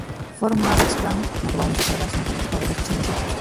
Ford Madox Brown mantuvo una estrecha relación con el grupo desde sus inicios.